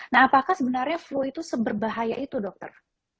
nah apakah sebenarnya flu itu seberbahaya itu dokter